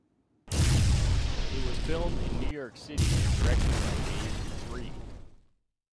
It was filmed in New York City and directed by Dave Free.